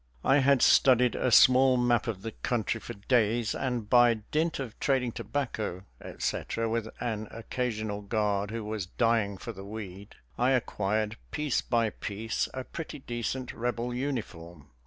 I had studied a small map of the country for days, and by dint of trading tobacco, etc., with an occasional guard who was dying for the weed I acquired, piece by piece, a pretty decent Rebel uniform.